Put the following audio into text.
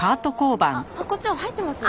ハコ長入ってますよ。